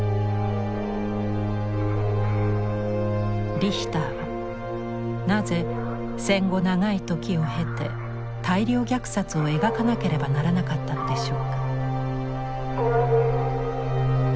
リヒターはなぜ戦後長い時を経て大量虐殺を描かなければならなかったのでしょうか？